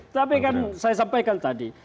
tapi kan saya sampaikan tadi